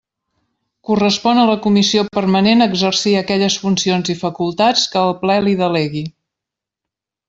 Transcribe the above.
Correspon a la Comissió Permanent exercir aquelles funcions i facultats que el Ple li delegui.